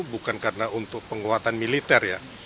bukan karena untuk penguatan militer ya